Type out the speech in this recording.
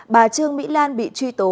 bà trương mỹ lan bị truy tố